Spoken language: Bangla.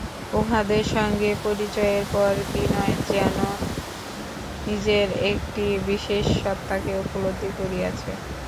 উঁহাদের সঙ্গে পরিচয়ের পর বিনয় যেন নিজের একটি বিশেষ সত্তাকে উপলব্ধি করিয়াছে।